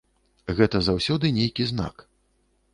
Гэта заўсёды нейкі знак.